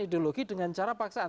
ideologi dengan cara paksaan